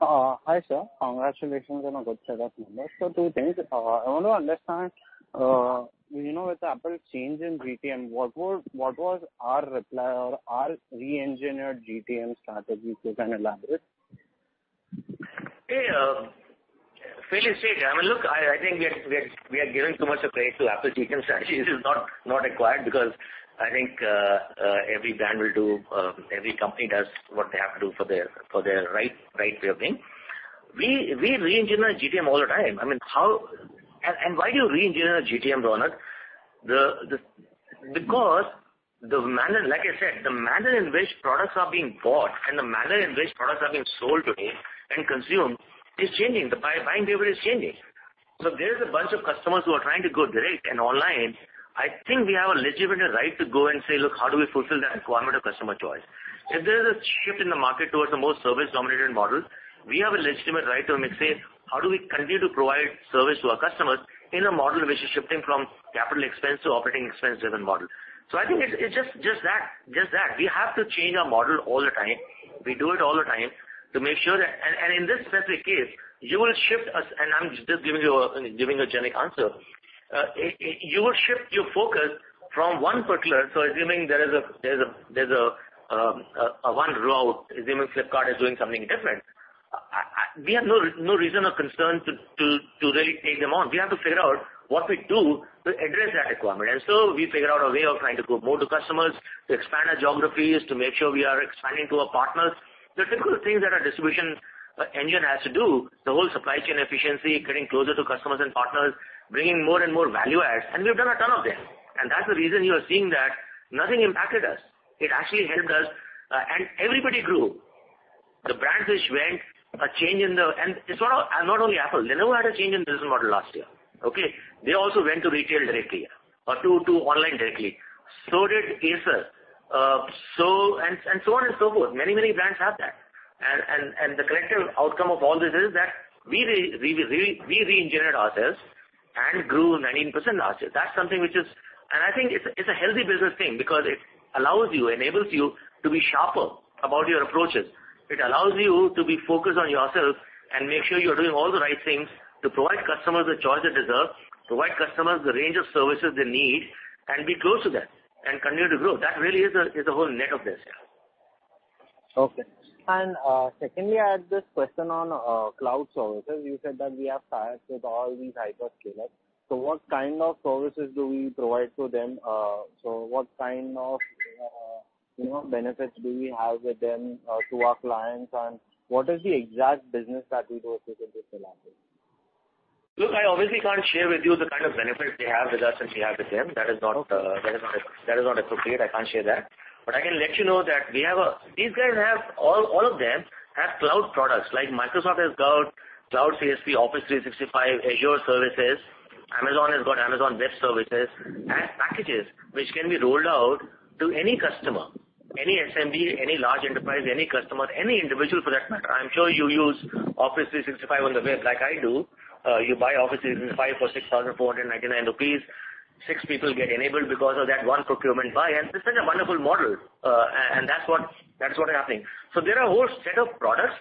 Hi, sir. Congratulations on a good set of numbers. Two things. I want to understand, you know, with Apple's change in GTM, what was our reply or our reengineered GTM strategy to kind of elaborate? Yeah, fair to say. I mean, look, I think we are giving too much credit to Apple GTM strategy is not acquired because I think every brand will do every company does what they have to do for their right way of being. We reengineer GTM all the time. Why do you reengineer a GTM, Ronald? Because the manner, like I said, the manner in which products are being bought and the manner in which products are being sold today and consumed is changing. The buying behavior is changing. There is a bunch of customers who are trying to go direct and online. I think we have a legitimate right to go and say, "Look, how do we fulfill that requirement of customer choice?" If there is a shift in the market towards a more service-dominated model, we have a legitimate right to maybe say, "How do we continue to provide service to our customers in a model which is shifting from capital expense to operating expense-driven model?" I think it's just that. We have to change our model all the time. We do it all the time to make sure that. In this specific case, you will shift us, and I'm just giving a generic answer. You will shift your focus from one particular. Assuming there is a one route, assuming Flipkart is doing something different, we have no reason or concern to really take them on. We have to figure out what we do to address that requirement. We figure out a way of trying to go more to customers, to expand our geographies, to make sure we are expanding to our partners. The typical things that our distribution engine has to do, the whole supply chain efficiency, getting closer to customers and partners, bringing more and more value adds, and we've done a ton of them. That's the reason you are seeing that nothing impacted us. It actually helped us, and everybody grew. The brands which went through a change in the. It's not only Apple. Lenovo had a change in business model last year, okay? They also went to retail directly or to online directly. So did Acer. And so on and so forth. Many brands have that. The collective outcome of all this is that we reengineered ourselves and grew 19% last year. That's something which is. I think it's a healthy business thing because it allows you, enables you to be sharper about your approaches. It allows you to be focused on yourself and make sure you're doing all the right things to provide customers the choice they deserve, provide customers the range of services they need, and be close to them and continue to grow. That really is the whole net of this. Okay. Secondly, I had this question on cloud services. You said that we have ties with all these hyperscalers. What kind of services do we provide to them? What kind of, you know, benefits do we have with them to our clients? What is the exact business that we do with them to elaborate? Look, I obviously can't share with you the kind of benefits they have with us and we have with them. That is not appropriate. I can't share that. I can let you know that we have. These guys have all of them have cloud products. Like Microsoft has got cloud CSP, Office 365, Azure services. Amazon has got Amazon Web Services. As packages which can be rolled out to any customer, any SMB, any large enterprise, any customer, any individual for that matter. I'm sure you use Office 365 on the web like I do. You buy Office 365 for 6,499 rupees. Six people get enabled because of that one procurement buy-in. It's such a wonderful model. That's what happening. There are a whole set of products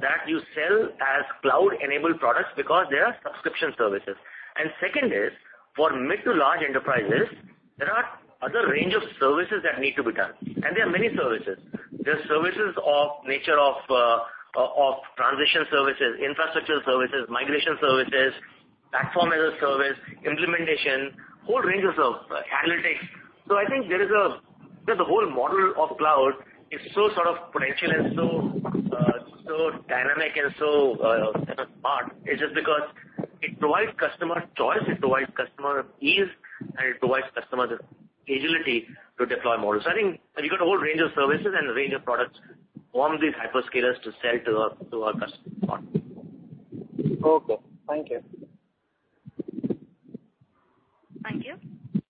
that you sell as cloud-enabled products because they are subscription services. Second is, for mid to large enterprises, there are other range of services that need to be done, and there are many services. There are services of nature of transition services, infrastructure services, migration services, platform as a service, implementation, whole ranges of analytics. I think there is. You know, the whole model of cloud is so sort of potential and so dynamic and so, kind of smart. It's just because it provides customer choice, it provides customer ease, and it provides customers agility to deploy models. I think we've got a whole range of services and a range of products from these hyperscalers to sell to our customers. Okay. Thank you. Thank you.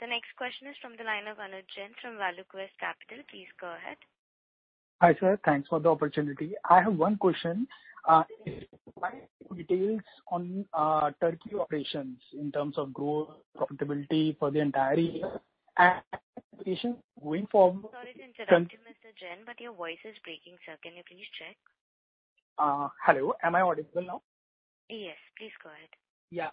The next question is from the line of Anuj Jain from ValueQuest Capital. Please go ahead. Hi, sir. Thanks for the opportunity. I have one question. Provide details on Turkey operations in terms of growth, profitability for the entire year and expectations going forward? Sorry to interrupt you, Mr. Jain, but your voice is breaking, sir. Can you please check? Hello. Am I audible now? Yes, please go ahead.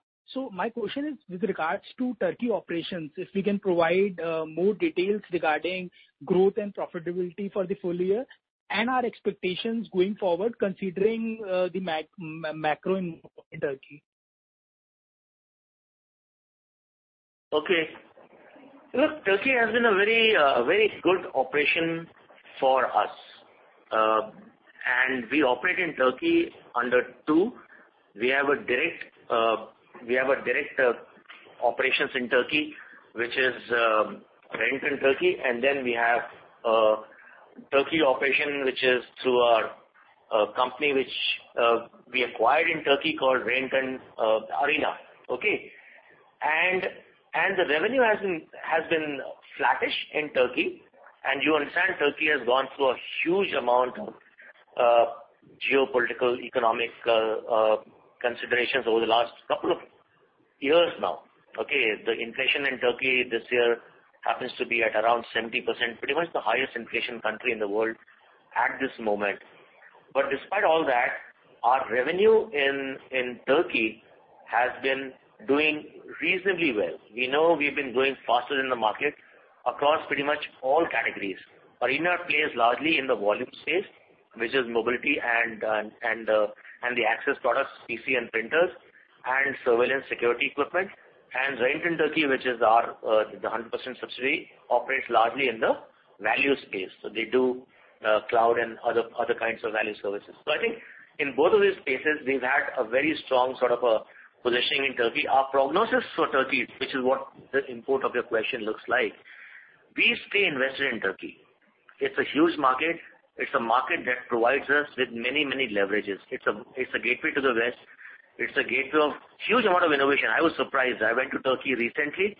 My question is with regards to Turkey operations, if we can provide more details regarding growth and profitability for the full year and our expectations going forward considering the macro in Turkey. Okay. Look, Turkey has been a very good operation for us. We operate in Turkey under two. We have direct operations in Turkey, which is Redington Turkey, and then we have Turkey operation, which is through our company which we acquired in Turkey called Redington Arena. The revenue has been flattish in Turkey. You understand Turkey has gone through a huge amount of geopolitical, economic considerations over the last couple of years now. The inflation in Turkey this year happens to be at around 70%, pretty much the highest inflation country in the world at this moment. Despite all that, our revenue in Turkey has been doing reasonably well. We know we've been growing faster than the market across pretty much all categories. Arena plays largely in the volume space, which is mobility and the access products, PC and printers and surveillance security equipment. Redington Turkey, which is our 100% subsidiary, operates largely in the value space. They do cloud and other kinds of value services. I think in both of these cases we've had a very strong sort of a positioning in Turkey. Our prognosis for Turkey, which is what the import of your question looks like, we stay invested in Turkey. It's a huge market. It's a market that provides us with many, many leverages. It's a gateway to the West. It's a gateway of huge amount of innovation. I was surprised. I went to Turkey recently.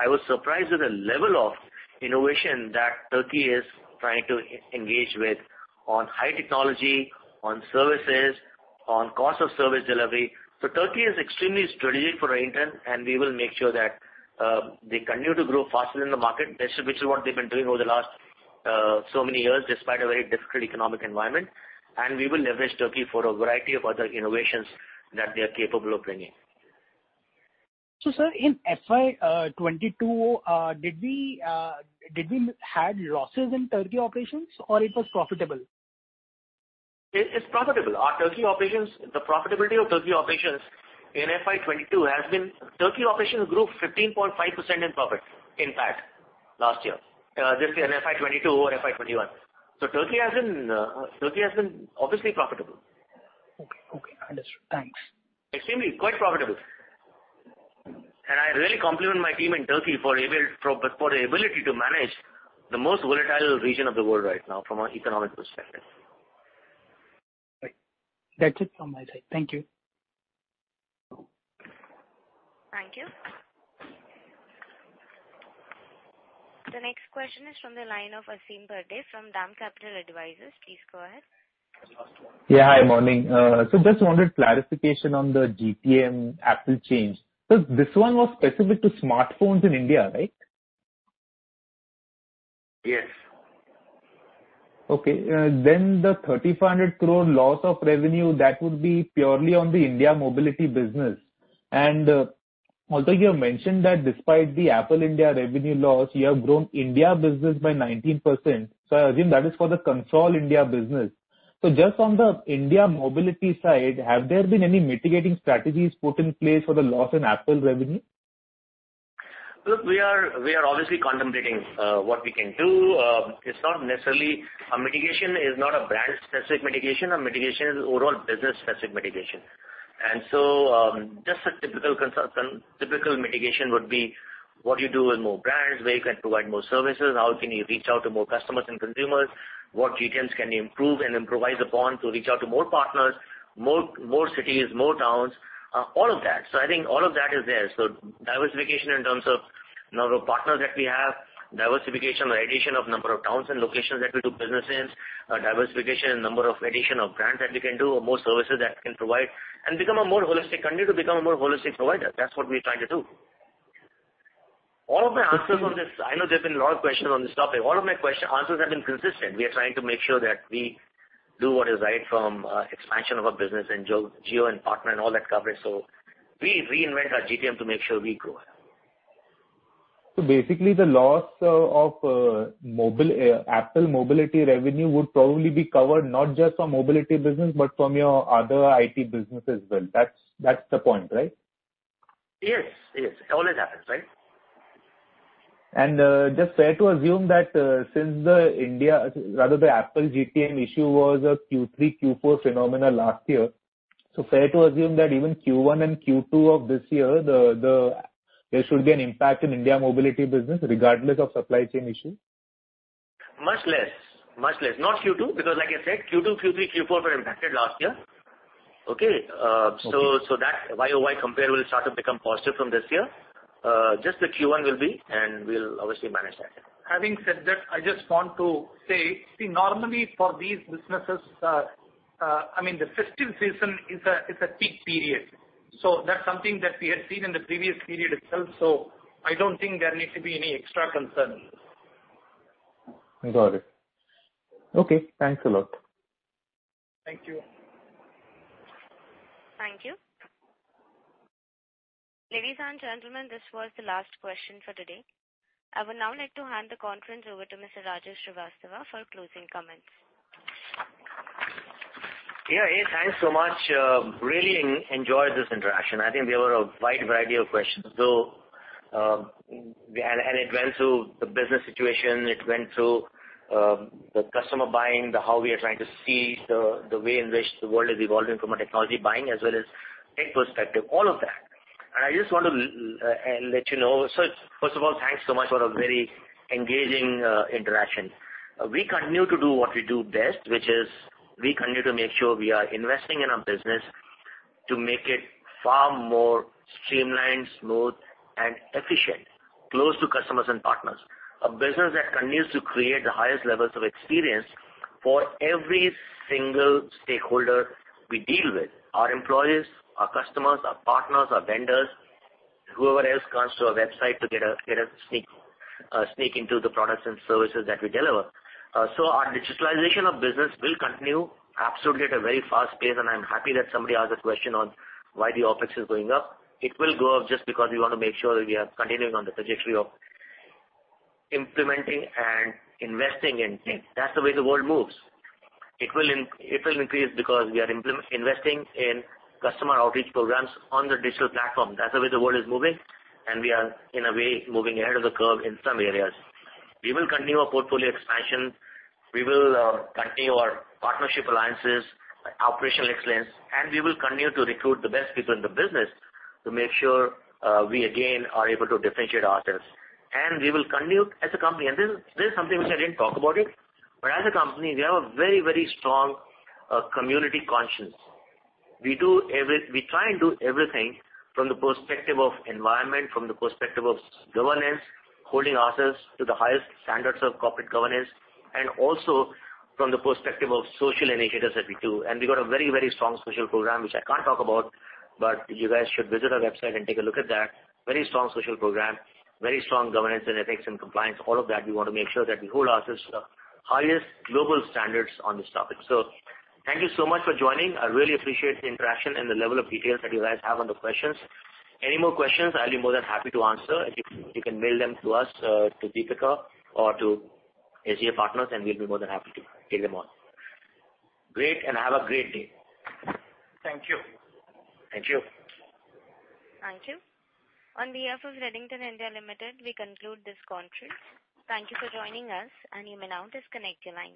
I was surprised with the level of innovation that Turkey is trying to engage with on high technology, on services, on cost of service delivery. Turkey is extremely strategic for Redington, and we will make sure that they continue to grow faster than the market, which is what they've been doing over the last so many years despite a very difficult economic environment. We will leverage Turkey for a variety of other innovations that they are capable of bringing. Sir, in FY 2022, did we have losses in Turkey operations or was it profitable? It is profitable. Our Turkey operations, the profitability of Turkey operations in FY 2022 has been, Turkey operations grew 15.5% in profit impact last year, just in FY 2022 over FY 2021. Turkey has been obviously profitable. Okay. Okay, understood. Thanks. Extremely quite profitable. I really compliment my team in Turkey for the ability to manage the most volatile region of the world right now from an economic perspective. Right. That's it from my side. Thank you. Thank you. The next question is from the line of Aseem Bhardwaj from DAM Capital Advisors. Please go ahead. Yeah. Hi. Morning. Just wanted clarification on the GTM Apple change. This one was specific to smartphones in India, right? Yes. Okay. The 3,500 crore loss of revenue, that would be purely on the India mobility business. Also, you have mentioned that despite the Apple India revenue loss, you have grown India business by 19%. I assume that is for the consolidated India business. Just on the India mobility side, have there been any mitigating strategies put in place for the loss in Apple revenue? Look, we are obviously contemplating what we can do. It's not necessarily a brand specific mitigation. A mitigation is not a brand specific mitigation. A mitigation is overall business specific mitigation. Just a typical mitigation would be what you do with more brands, where you can provide more services, how can you reach out to more customers and consumers, what GTMs can you improve and improvise upon to reach out to more partners, more cities, more towns, all of that. I think all of that is there. Diversification in terms of number of partners that we have, diversification or addition of number of towns and locations that we do business in, diversification in number of addition of brands that we can do or more services that can provide and become a more holistic, continue to become a more holistic provider. That's what we're trying to do. All of my answers on this, I know there's been a lot of questions on this topic. All of my answers have been consistent. We are trying to make sure that we do what is right from, expansion of our business and Geo and partner and all that coverage. We reinvent our GTM to make sure we grow. Basically the loss of mobile Apple mobility revenue would probably be covered not just from mobility business but from your other IT business as well. That's the point, right? Yes. Yes. It always happens, right? Just fair to assume that, since the India, rather the Apple GTM issue was a Q3, Q4 phenomena last year, so fair to assume that even Q1 and Q2 of this year, there should be an impact in India mobility business regardless of supply chain issue? Much less. Not Q2, because like I said, Q2, Q3, Q4 were impacted last year. Okay? Okay. That YOY compare will start to become positive from this year. Just the Q1 will be, and we'll obviously manage that. Having said that, I just want to say, see, normally for these businesses, I mean, the festival season is a peak period. That's something that we had seen in the previous period itself. I don't think there needs to be any extra concern. Got it. Okay, thanks a lot. Thank you. Thank you. Ladies and gentlemen, this was the last question for today. I would now like to hand the conference over to Mr. Rajiv Srivastava for closing comments. Yeah. Thanks so much. Really enjoyed this interaction. I think there were a wide variety of questions. It went through the business situation. It went through the customer buying, how we are trying to see the way in which the world is evolving from a technology buying as well as tech perspective, all of that. I just want to let you know. First of all, thanks so much for a very engaging interaction. We continue to do what we do best, which is we continue to make sure we are investing in our business to make it far more streamlined, smooth and efficient, close to customers and partners. A business that continues to create the highest levels of experience for every single stakeholder we deal with, our employees, our customers, our partners, our vendors, whoever else comes to our website to get a sneak into the products and services that we deliver. Our digitalization of business will continue absolutely at a very fast pace, and I'm happy that somebody asked a question on why the OpEx is going up. It will go up just because we wanna make sure that we are continuing on the trajectory of implementing and investing in tech. That's the way the world moves. It will increase because we are investing in customer outreach programs on the digital platform. That's the way the world is moving, and we are, in a way, moving ahead of the curve in some areas. We will continue our portfolio expansion. We will continue our partnership alliances, operational excellence, and we will continue to recruit the best people in the business to make sure we again are able to differentiate ourselves. We will continue as a company. This is something which I didn't talk about, but as a company, we have a very, very strong community conscience. We try and do everything from the perspective of environment, from the perspective of governance, holding ourselves to the highest standards of corporate governance, and also from the perspective of social initiatives that we do. We've got a very, very strong social program, which I can't talk about, but you guys should visit our website and take a look at that. Very strong social program, very strong governance and ethics and compliance, all of that. We want to make sure that we hold ourselves to the highest global standards on this topic. Thank you so much for joining. I really appreciate the interaction and the level of details that you guys have on the questions. Any more questions, I'll be more than happy to answer. You can mail them to us, to Deepika or to HCAP Partners, and we'll be more than happy to take them on. Great. Have a great day. Thank you. Thank you. Thank you. On behalf of Redington India Limited, we conclude this conference. Thank you for joining us, and you may now disconnect your lines.